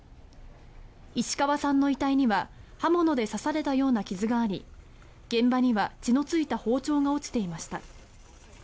石川さんの遺体には刃物で刺されたような傷があり現場には血のついた包丁が落ちていました。